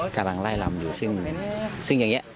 กำลังไล่ลำอยู่ซึ่งอย่างนี้